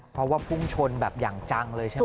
เพราะว่าพุ่งชนแบบอย่างจังเลยใช่ไหม